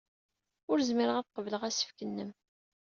Ur zmireɣ ad qebleɣ asefk-nnem.